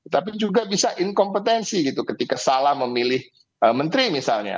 tapi juga bisa inkompetensi gitu ketika salah memilih menteri misalnya